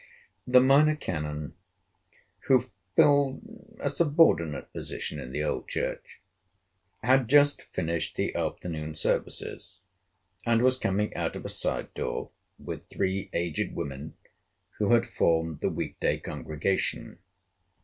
The Minor Canon, who filled a subordinate position in the old church, had just finished the afternoon services, and was coming out of a side door, with three aged women who had formed the week day congregation.